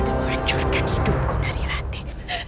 kau sudah menghancurkan hidupku dari rate